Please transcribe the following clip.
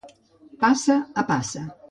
Passa a passa.